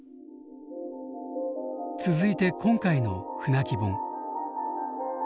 続いて今回の「舟木本」。